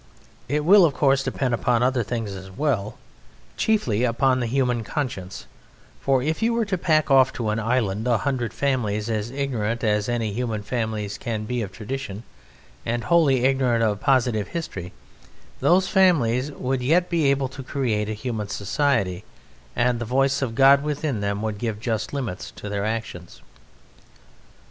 It will of course depend upon other things as well: chiefly upon the human conscience; for if you were to pack off to an island a hundred families as ignorant as any human families can be of tradition, and wholly ignorant of positive history, those families would yet be able to create a human society and the voice of God within them would give just limits to their actions.